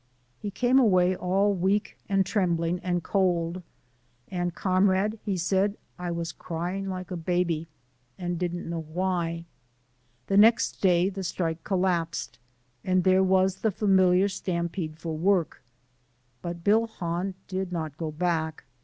He came away all weak and trembling and cold, and, "Comrade," he said, "I was cryin' like a baby, and didn't know why." The next day the strike collapsed and there was the familiar stampede for work but Bill Hahn did not go back.